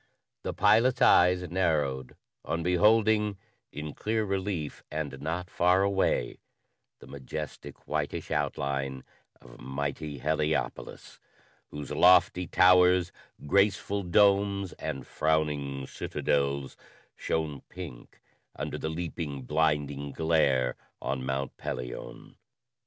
The pilot's eyes narrowed on beholding, in clear relief and not far away, the majestic, whitish outline of mighty Heliopolis, whose lofty towers, graceful domes and frowning citadels shone pink under the leaping, blinding glare on Mount Pelion.